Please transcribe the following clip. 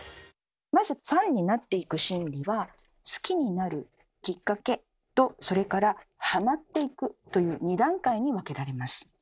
まずファンになっていく心理は好きになる「きっかけ」とそれから「ハマっていく」という２段階に分けられます。